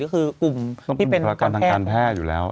กลุ่มถังการแพทย์อยู่แล้ว